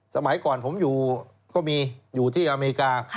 สมัยก่อนผมก็ไปที่อเมริกา